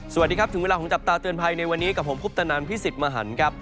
สวัสดีครับถึงเวลาของจับตาเตือนภัยในวันนี้กับผมคุปตนันพี่สิทธิ์มหันครับ